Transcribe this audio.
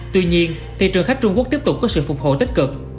tuy nhiên thị trường khách trung quốc tiếp tục có sự phục hồi tích cực